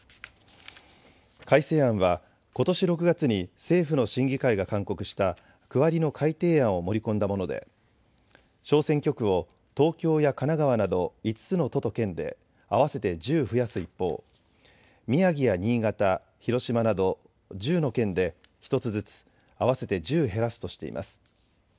改正案はことし６月に政府の審議会が勧告した区割りの改定案を盛り込んだもので小選挙区を東京や神奈川など５つの都と県で合わせて１０増やす一方、宮城や新潟、広島など１０の県で１つずつ合わせて１０減らすとしています。